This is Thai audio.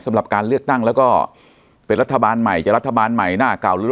สำหรับการเลือกตั้งแล้วก็เป็นรัฐบาลใหม่จะรัฐบาลใหม่หน้าเก่าหรือ